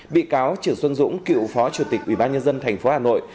bị cáo trưởng xuân dũng cựu phó chủ tịch ubnd tp hà nội